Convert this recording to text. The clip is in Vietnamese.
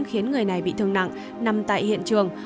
khiến người này bị thương nặng nằm tại hiện trường